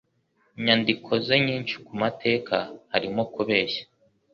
nyandiko ze nyinshi ku mateka harimo kubeshya.